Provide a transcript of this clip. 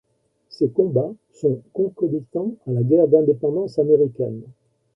Ces combats sont concomitants à la Guerre d'indépendance américaine.